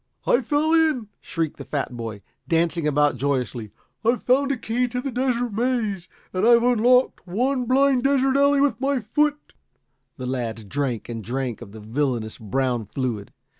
I fell in!" shrieked the fat boy, dancing about joyously. "I've found a key to the Desert Maze, and I've unlocked one blind desert alley with my foot." The lads drank and drank of the villainous, brown fluid.